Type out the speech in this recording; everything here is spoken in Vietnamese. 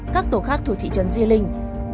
các tổ khác thuộc thị trấn di linh